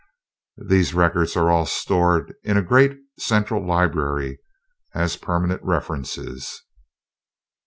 These records are all stored in a great central library, as permanent references.